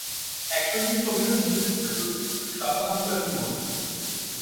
Action দৃশ্যে অভিনয় তো দূরের কথা, শুটিংয়ের ফাঁকে লাফালাফিও এখন বন্ধ।